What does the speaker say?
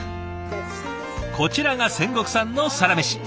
こちらが仙石さんのサラメシ。